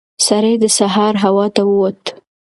سړی د سهار هوا ته ووت.